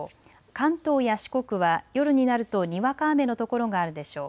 関東や四国は夜になるとにわか雨の所があるでしょう。